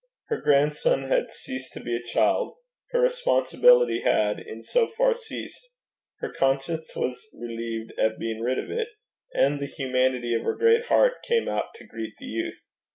Her grandson had ceased to be a child; her responsibility had in so far ceased; her conscience was relieved at being rid of it; and the humanity of her great heart came out to greet the youth.